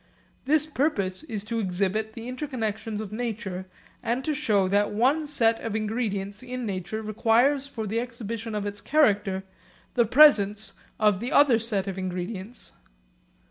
This purpose is to exhibit the interconnexions of nature, and to show that one set of ingredients in nature requires for the exhibition of its character the presence of the other sets of ingredients.